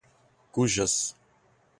cujas